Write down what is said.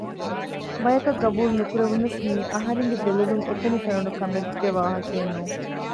ބަޔަކަށް ޤަބޫލް ނުކުރެވުނަސް މިއީ އަހަރެންގެ ދެލޮލުން އެކަނި ފެނުނު ކަމެއްގެ ވާހަކައެއް ނޫން